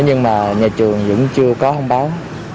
nhưng mà nhà trường vẫn chưa có thông báo